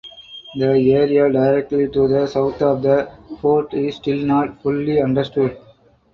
The area directly to the south of the fort is still not fully understood.